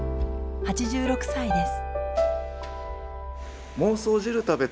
８６歳です。